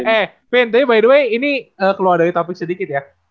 eh pin tapi by the way ini keluar dari topik sedikit ya